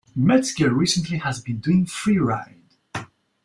Metzger recently has been doing freeride.